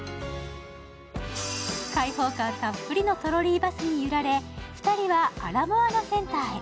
開放感たっぷりのトロリーバスに揺られ、２人はアラモアナセンターへ。